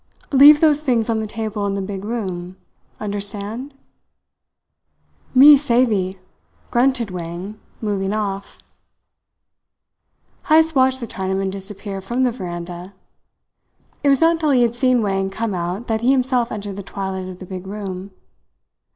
"Leave those things on the table in the big room understand?" "Me savee," grunted Wang, moving off. Heyst watched the Chinaman disappear from the veranda. It was not till he had seen Wang come out that he himself entered the twilight of the big room.